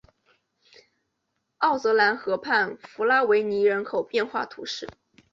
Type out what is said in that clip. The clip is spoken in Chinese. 奥泽兰河畔弗拉维尼人口变化图示